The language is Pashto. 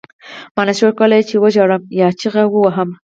ما نشول کولای چې وژاړم یا چیغې ووهم